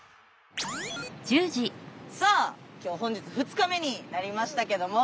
さあ今日本日２日目になりましたけども。